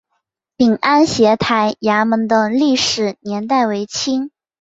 闽安协台衙门的历史年代为清。